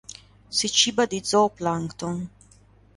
Si ciba di zooplancton.